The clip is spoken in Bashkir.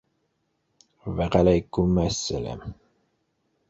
Вәғәләйкүмәссәләм.